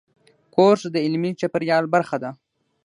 کورس د علمي چاپېریال برخه ده.